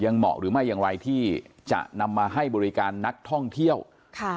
เหมาะหรือไม่อย่างไรที่จะนำมาให้บริการนักท่องเที่ยวค่ะ